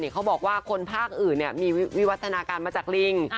เขาบอกว่าคนภาคอื่นมีวิวัฒนาการมาจากลิง